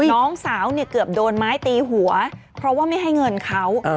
น้องสาวเนี่ยเกือบโดนไม้ตีหัวเพราะว่าไม่ให้เงินเขา